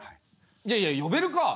いやいや呼べるか！